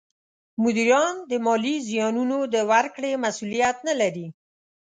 مدیران د مالي زیانونو د ورکړې مسولیت نه لري.